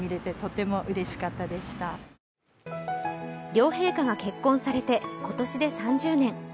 両陛下が結婚されて今年で３０年。